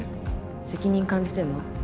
責任感じてんの？